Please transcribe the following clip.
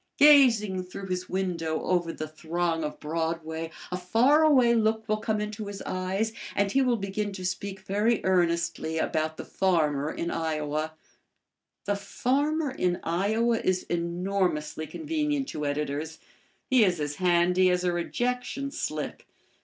Gazing through his window over the throng of Broadway, a faraway look will come into his eyes and he will begin to speak very earnestly about the farmer in Iowa. The farmer in Iowa is enormously convenient to editors. He is as handy as a rejection slip.